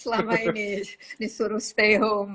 selama ini disuruh stay home